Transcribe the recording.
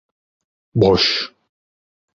Boş.